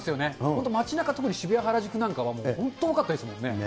本当、街なか、特に渋谷、原宿なんかは本当、多かったですもんね。